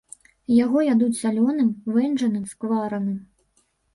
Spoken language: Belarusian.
Яго ядуць салёным, вэнджаным, сквараным.